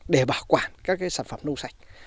để bảo quản các cái sản phẩm nông sạch